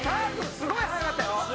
すごい速かったよ。